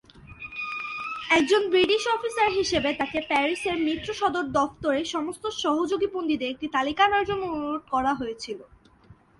একজন British officer হিসাবে, তাঁকে প্যারিসের মিত্র সদর দফতরে সমস্ত সহযোগী বন্দীদের একটি তালিকা আনার জন্য অনুরোধ করা হয়েছিল।